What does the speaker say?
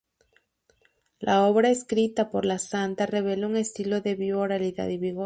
La obra escrita por la santa revela un estilo de viva oralidad y vigor.